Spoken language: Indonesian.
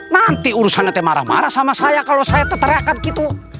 nanti urusannya teh marah marah sama saya kalau saya teriakan gitu